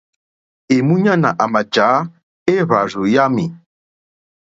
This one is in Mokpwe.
Èmúɲánà àmà jǎ éhwàrzù yámì.